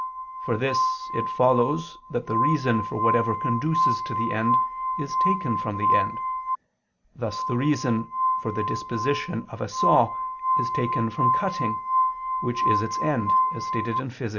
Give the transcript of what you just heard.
From this it follows that the reason for whatever conduces to the end is taken from the end: thus the reason for the disposition of a saw is taken from cutting, which is its end, as stated in _Phys.